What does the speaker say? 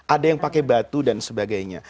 ada yang pakai batu dan sebagainya